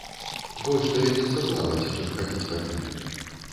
Больш давядзецца плаваць, чым хадзіць па дне.